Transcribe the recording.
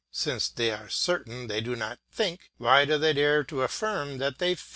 Since they are certain they do not think, why do they dare to affirm that they feel?